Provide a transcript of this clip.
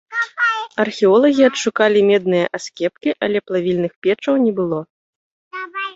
Археолагі адшукалі медныя аскепкі, але плавільных печаў не было.